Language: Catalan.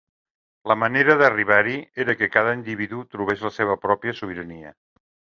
La manera d'arribar-hi era que cada individu trobés la seva pròpia sobirania.